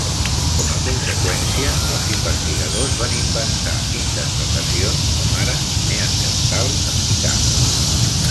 Com a conseqüència, els investigadors van inventar interpretacions com ara "neandertal africà".